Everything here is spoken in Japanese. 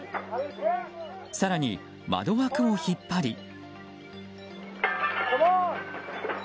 更に、窓枠を引っ張り。